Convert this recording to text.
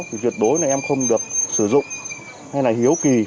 thì tuyệt đối là em không được sử dụng hay là hiếu kỳ